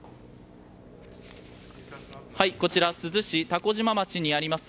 こちら珠洲市蛸島町にあります